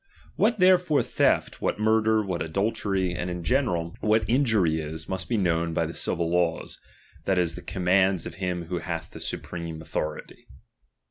What therefore theft, what murder, what adultery, ^_ and in general what injury is, must be known by ^^M the civil laws ; that is, the commands of him who ^^H liath the supreme authority.